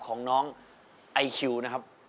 ของน้องไอคิวนะครับ